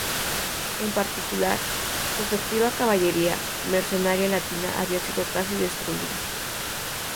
En particular, su muy efectiva caballería mercenaria latina había sido casi destruida.